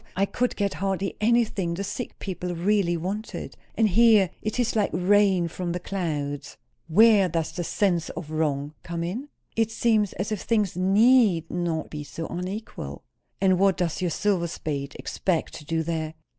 I could get hardly anything the sick people really wanted. And here it is like rain from the clouds." "Where does the 'sense of wrong' come in?" "It seems as if things need not be so unequal." "And what does your silver spade expect to do there?"